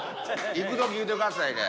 いく時言うてくださいね。